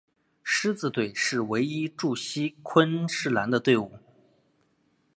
狮子队是唯一驻锡昆士兰的队伍。